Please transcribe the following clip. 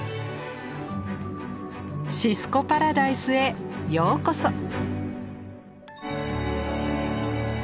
シスコ・パラダイスへようこそ。